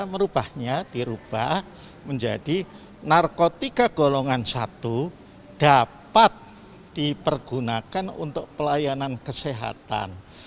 merubahnya dirubah menjadi narkotika golongan satu dapat dipergunakan untuk pelayanan kesehatan